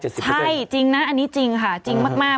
ใช่จริงนะอันนี้จริงค่ะจริงมาก